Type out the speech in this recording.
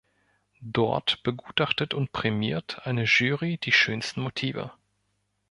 Dort begutachtet und prämiert eine Jury die schönsten Motive.